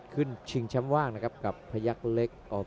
ชิงแชมป์ว่างนะครับกับพยักษ์เล็ก